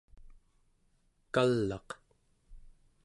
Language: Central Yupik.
kal'aq